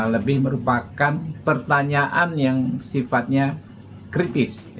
lebih merupakan pertanyaan yang sifatnya kritis